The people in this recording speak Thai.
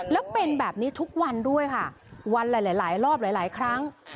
แล้วเป็นแบบนี้ทุกวันด้วยค่ะวันหลายรอบหลายครั้ง